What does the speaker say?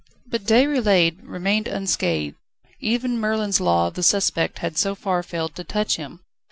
But Déroulède remained unscathed. Even Merlin's law of the suspect had so far failed to touch him.